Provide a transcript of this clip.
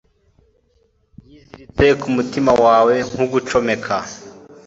Yiziritse kumutima wawe nkugucomeka